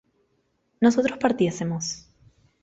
nosotros partiésemos